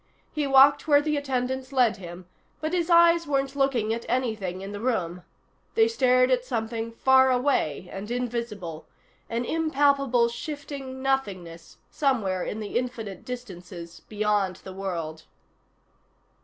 He walked where the attendants led him, but his eyes weren't looking at anything in the room. They stared at something far away and invisible, an impalpable shifting nothingness somewhere in the infinite distances beyond the world.